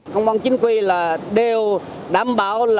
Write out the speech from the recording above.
công an chính quy là đều đảm bảo